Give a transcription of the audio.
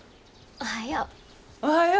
おはよう。